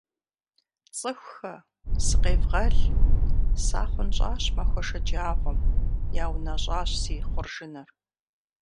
Цӏыхухэ! Сыкъевгъэл! Сахъунщӏащ махуэ шэджагъуэм. Яунэщӏащ си хъуржыныр.